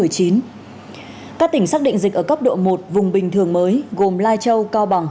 các tỉnh xác định dịch ở cấp độ một vùng bình thường mới gồm lai châu cao bằng